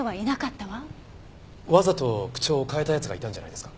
わざと口調を変えた奴がいたんじゃないですか？